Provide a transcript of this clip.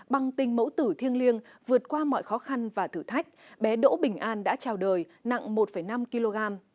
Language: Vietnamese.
bằng tình mẫu tử thiêng liêng vượt qua mọi khó khăn và thử thách bé đỗ bình an đã trào đời nặng một năm kg